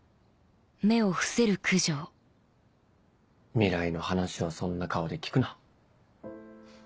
未来の話をそんな顔で聞くな。